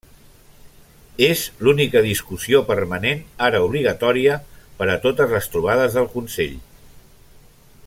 És l'única discussió permanent ara obligatòria per a totes les trobades del Consell.